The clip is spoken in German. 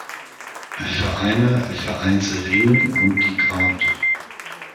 Vereine, Vereinsring und die kath.